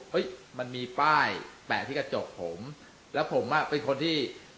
มันมีป้ายแปะที่กระจกผมแล้วผมอ่ะเป็นคนที่